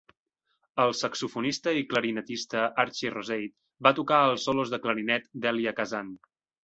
El saxofonista i clarinetista Archie Rosate va tocar els solos de clarinet d'Elia Kazan.